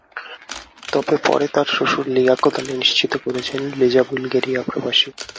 তবে পরে তাঁর শ্বশুর লিয়াকত আলী নিশ্চিত করেছেন, লিজা বুলগেরিয়া প্রবাসী।